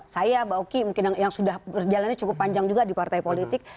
saya mbak oki mungkin yang sudah berjalannya cukup panjang juga di partai politik